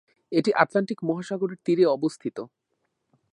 এটি আটলান্টিক মহাসাগরের তীরে অবস্থিত।